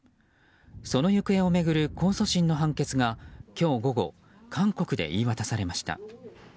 その行方を巡る控訴審の判決が今日午後韓国で言い渡されました。